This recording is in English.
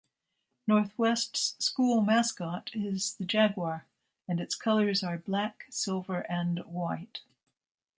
Northwest's school mascot is the jaguar and its colors are black, silver and white.